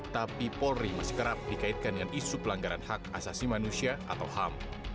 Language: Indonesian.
tapi polri masih kerap dikaitkan dengan isu pelanggaran hak asasi manusia atau ham